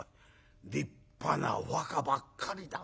立派なお墓ばっかりだねおい。